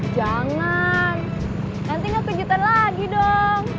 jangan nanti nggak kejutan lagi dong